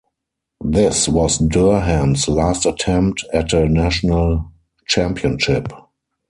This was Durham's last attempt at a national championship.